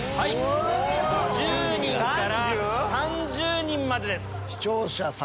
１０人から３０人までです。